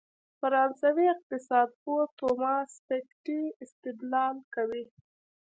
فرانسوي اقتصادپوه توماس پيکيټي استدلال کوي.